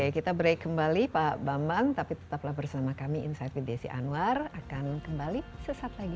kita break kembali pak bambang tapi tetaplah bersama kami insight with desi anwar akan kembali sesaat lagi